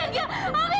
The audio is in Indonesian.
opi gak mau